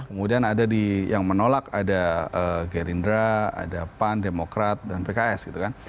kemudian ada yang menolak ada gerindra ada pan demokrat dan pks gitu kan